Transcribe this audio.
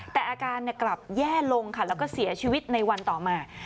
แต่อาการกลับแย่ลงค่ะแล้วก็เสียชีวิตในวันต่อมา